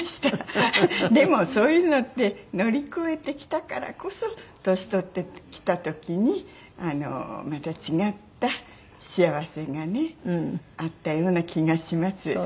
でもそういうのって乗り越えてきたからこそ年取ってきた時にまた違った幸せがね。